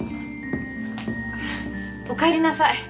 お帰りなさい。